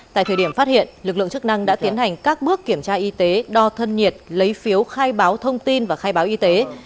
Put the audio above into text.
tại thời điểm phát hiện lực lượng chức năng đã tiến hành các bước kiểm tra y tế đo thân nhiệt lấy phiếu khai báo thông tin và khai báo y tế